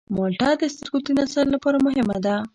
مالټه د سترګو د نظر لپاره مهمه ده.